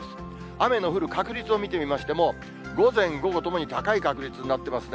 雨の降る確率を見てみましても、午前午後ともに高い確率になってますね。